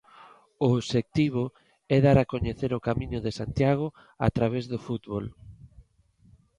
O obxectivo é dar a coñecer o Camiño de Santiago a través do fútbol.